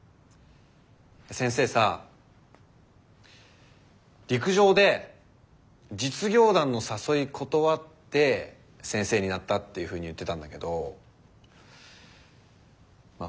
先生さ陸上で実業団の誘い断って先生になったっていうふうに言ってたんだけどまあ